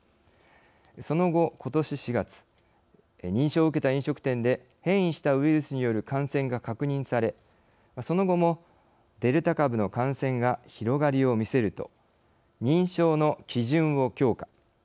その後、ことし４月認証を受けた飲食店で変異したウイルスによる感染が確認されその後もデルタ株の感染が広がりを見せると認証の基準を強化。